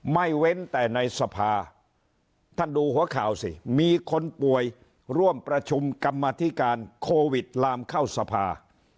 เว้นแต่ในสภาท่านดูหัวข่าวสิมีคนป่วยร่วมประชุมกรรมธิการโควิดลามเข้าสภา